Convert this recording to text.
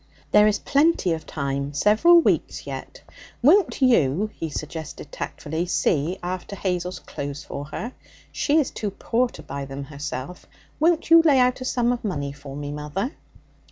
'There is plenty of time, several weeks yet. Won't you,' he suggested tactfully, 'see after Hazel's clothes for her? She is too poor to buy them herself. Won't you lay out a sum of money for me mother?'